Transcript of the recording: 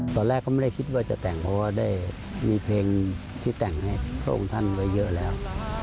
ตอนแรกก็ไม่ได้คิดว่าจะแต่งเพราะว่าได้มีเพลงที่แต่งให้พระองค์ท่านไว้เยอะแล้ว